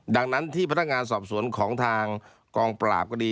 ดังนั้นที่พนักงานสอบสวนของทางกองปราบก็ดี